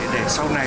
để sau này